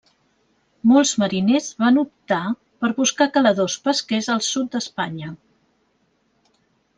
Molts mariners van optar per buscar caladors pesquers al sud d'Espanya.